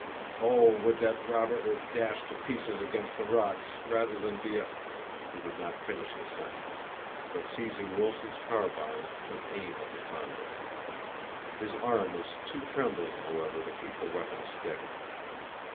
"Oh! would that Robert were dashed to pieces against the rocks, rather than be a " He did not finish his sentence, but seizing Wilson's carbine, took aim at the condor. His arm was too trembling, however, to keep the weapon steady.